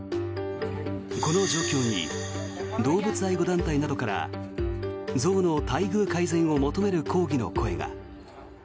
この状況に動物愛護団体などから象の待遇改善を求める抗議の声が。